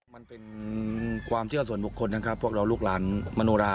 มันเป็นความเชื่อส่วนบุคคลนะครับพวกเราลูกหลานมโนรา